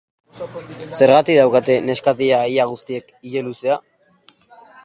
Zergatik daukate neskatila ia guztiek ile luzea?